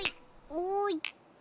おい！